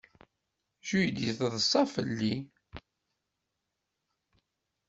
Judy teḍsa fell-i.